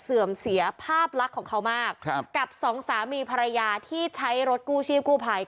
เสื่อมเสียภาพลักษณ์ของเขามากครับกับสองสามีภรรยาที่ใช้รถกู้ชีพกู้ภัย